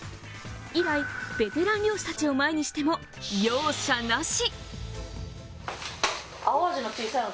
以来、ベテラン漁師たちを前にしても容赦なし。